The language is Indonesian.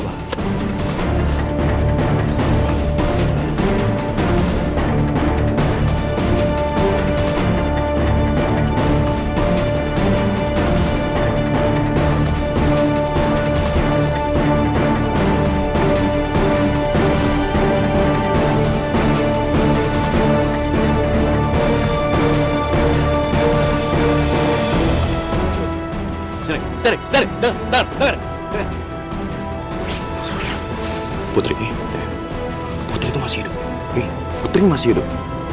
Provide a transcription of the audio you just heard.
putri putri itu masih hidup putri masih hidup